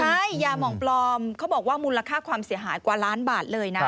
ใช่ยาหมองปลอมเขาบอกว่ามูลค่าความเสียหายกว่าล้านบาทเลยนะ